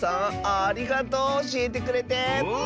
ありがとうおしえてくれて！